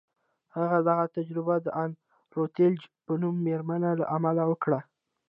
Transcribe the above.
هغه دغه تجربه د ان روتلیج په نوم مېرمنې له امله وکړه